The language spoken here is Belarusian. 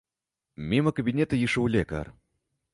Міма кабінета ішоў лекар.